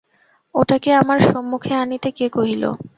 ওটাকে আমার সম্মুখে আনিতে কে কহিল?